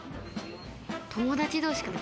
友達同士かな？